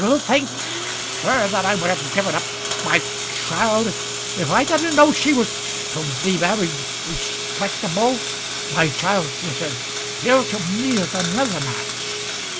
"Do you think, sir, I would have given up my child if I didn't know she was to be married respectable? My child is as dear to me as another man's."